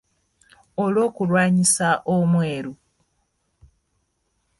Olw’okulwanyisa omweru.